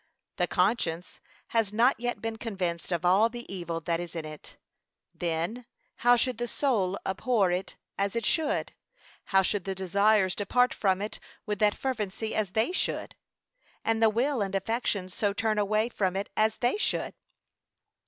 (3.) The conscience has not yet been convinced of all the evil that is in it. Then, (a.) How should the soul abhor it as it should? (b.) How should the desires depart from it with that fervency as they should? (c.) And the will and affections so turn away from it as they should?